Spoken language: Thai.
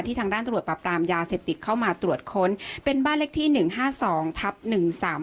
ทางด้านตรวจปรับปรามยาเสพติดเข้ามาตรวจค้นเป็นบ้านเลขที่หนึ่งห้าสองทับหนึ่งสาม